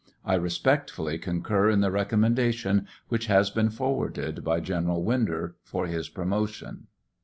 I respectfully concur in the recommendation which has been forwarded by General Winder for his promotion.